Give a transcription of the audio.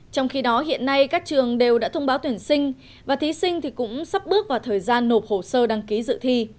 trong khi đó hiện nay các trường đều đã thông báo tuyển sinh và thí sinh cũng sắp bước vào thời gian nộp hồ sơ đăng ký dự thi